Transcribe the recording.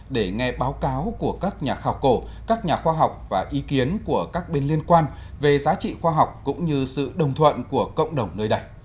để nghe báo cáo của các nhà khảo cổ các nhà khoa học và ý kiến của các bên liên quan về giá trị khoa học cũng như sự đồng thuận của cộng đồng nơi đây